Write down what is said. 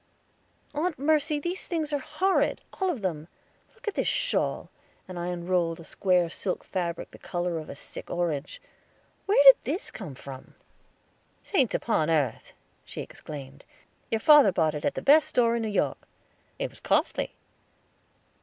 "Aunt Mercy, these things are horrid, all of them. Look at this shawl," and I unrolled a square silk fabric, the color of a sick orange. "Where did this come from?" "Saints upon earth!" she exclaimed, "your father bought it at the best store in New York. It was costly."